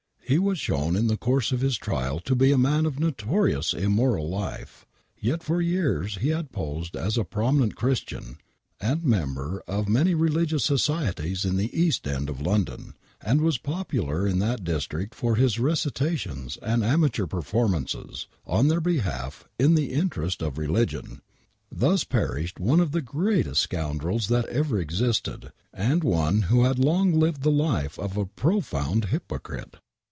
He was shown in the course of his trial to be a man of notor ious immoral life, yet for years ho had posed as a prominent Christian, and member of many religious societies in the East End of London, and was popular in that district for his recitations and amateur performances, on their behalf, in the interest of religion. Thus perished one of the greatest scoundrels that ever existed and one who had long lived the life of a profound hypocrite.